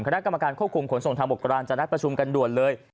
คณะกรรมการควบคุมขนส่งทางบกรานจะนัดประชุมกันด่วนเลย